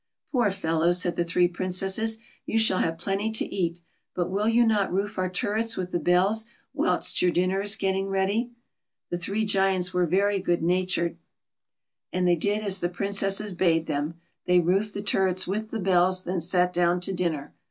" Poor fellow s," said the three Princesses, "you shall have plenty to eat; but will you not roof our turrets with the bells whilst your dinner is getting ready.'" The three Giants were very good natured, and they 214 BATTY. did as the ]''rincesses bade tliem. They roofed the turrets with the bells, then sat down to dinner.